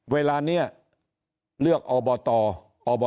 เวลานี้เลือกอพ